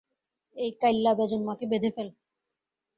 এই কাইল্লা বেজন্মা কে বেঁধে ফেল।